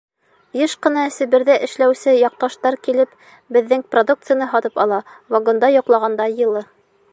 — Йыш ҡына Себерҙә эшләүсе яҡташтар килеп, беҙҙең продукцияны һатып ала: вагонда йоҡлағанда йылы.